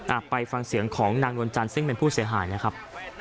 ไปฟังเสียงของนางนวลจันทร์ซึ่งเป็นผู้เสียหายนะครับ